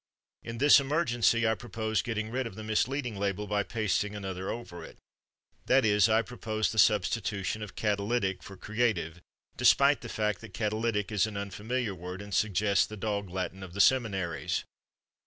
In this emergency, I propose getting rid of the misleading label by pasting another over it. That is, I propose the substitution of "catalytic" for "creative," despite the fact that "catalytic" is an unfamiliar word, and suggests the dog Latin of the seminaries.